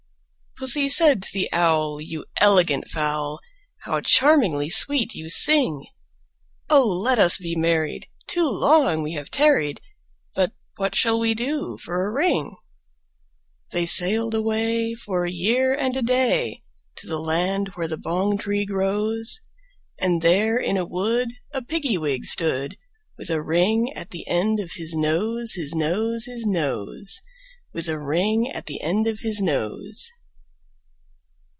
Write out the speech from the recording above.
II. Pussy said to the Owl, "You elegant fowl, How charmingly sweet you sing! Oh! let us be married; too long we have tarried: But what shall we do for a ring?" They sailed away, for a year and a day, To the land where the bong tree grows; And there in a wood a Piggy wig stood, With a ring at the end of his nose, His nose, His nose, With a ring at the end of his nose.